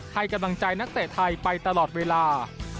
ให้กำลังใจนักเตะไทยไปตลอดเวลา